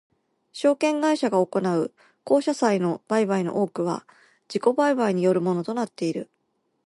証券会社が行う公社債の売買の多くは自己売買によるものとなっている。